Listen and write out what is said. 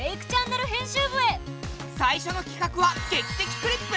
最初のきかくは「劇的クリップ」！